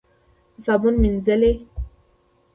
په صابون مینځلې.